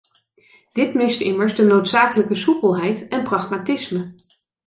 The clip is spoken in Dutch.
Dit mist immers de noodzakelijke soepelheid en pragmatisme.